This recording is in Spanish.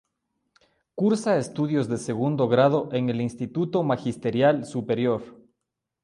Cursa estudios de segundo grado en el Instituto Magisterial Superior.